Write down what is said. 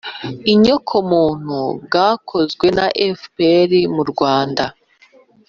inyoko muntu bwakozwe na fpr mu rwanda,